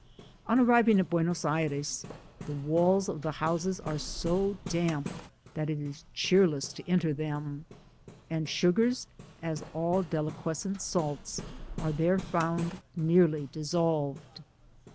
On arriv ing at Buenos Aires, the walls of the houses are so damp that it is cheerless to enter them ; and sugar, as also all deliquescent salts, are there found nearly dissolved.